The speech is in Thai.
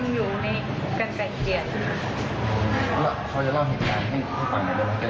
หนูไม่ติดสิทธิ์กัน